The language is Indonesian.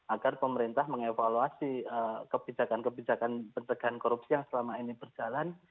agar pemerintah mengevaluasi kebijakan kebijakan pencegahan korupsi yang selama ini berjalan